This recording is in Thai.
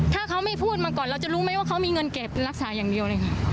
ถ้าเขาไม่พูดมาก่อนเราจะรู้ไหมว่าเขามีเงินเก็บรักษาอย่างเดียวเลยค่ะ